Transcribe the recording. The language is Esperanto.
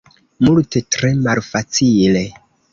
Multe tre malfacile.